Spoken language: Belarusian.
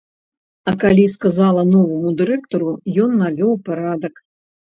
А калі сказала новаму дырэктару, ён навёў парадак.